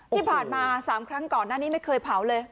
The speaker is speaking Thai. ที่ผ่านมา๓ครั้งก่อนหน้านี้ไม่เคยเผาเลย